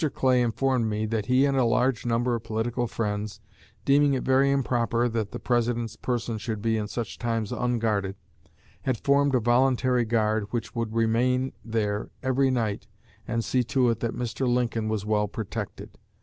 Clay informed me that he and a large number of political friends, deeming it very improper that the President's person should in such times be unguarded, had formed a voluntary guard which would remain there every night and see to it that Mr. Lincoln was well protected.